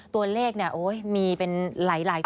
ตัวเลขน่ะโอ๊ยมีเป็นหลายตัวเลขเลย